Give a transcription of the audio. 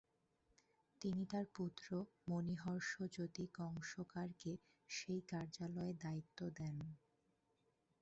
তিনি তার পুত্র মনিহর্ষ জ্যোতি কংসকারকে সেই কার্যালয়ে দায়িত্ব দেন।